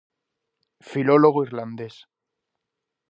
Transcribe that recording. Filólogo irlandés.